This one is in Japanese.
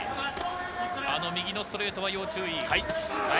あの右のストレートは要注意。